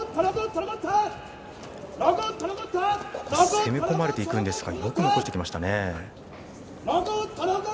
攻め込まれていくんですがよく残していきましたね。